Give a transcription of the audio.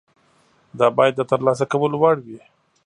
دا باید د ترلاسه کولو وړ وي.